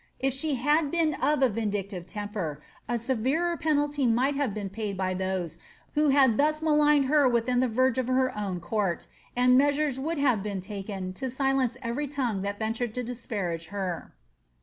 If she had been of a rindictive temper, a severer penalty might have been paid by those who had thus maligned her within the verge of her own court, and measures would have been taken to silence every tongue that ventured to disparage her.